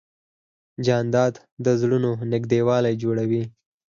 جانداد د زړونو نږدېوالی جوړوي.